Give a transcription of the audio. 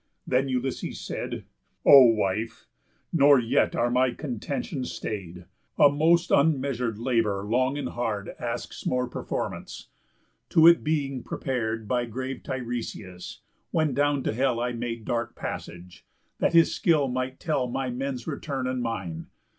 Then Ulysses said: "O wife! Nor yet are my contentions stay'd. A most unmeasur'd labour long and hard Asks more performance; to it being prepar'd By grave Tiresiás, when down to hell I made dark passage, that his skill might tell My men's return and mine.